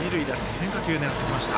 変化球狙ってきました。